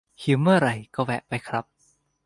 หิวเมื่อไหร่ก็แวะไปครับ